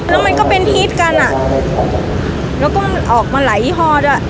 แล้วมันก็เป็นทีศกันแล้วก็ออกมาหลายท่อด้วย